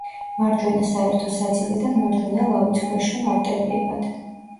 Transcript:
მარჯვენა საერთო საძილე და მარჯვენა ლავიწქვეშა არტერიებად.